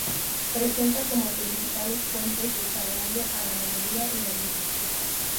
Presenta como principales fuentes de salario a ganadería y agricultura.